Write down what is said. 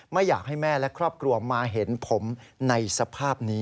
ไม่อยากให้แม่และครอบครัวมาเห็นผมในสภาพนี้